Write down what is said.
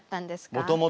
もともと？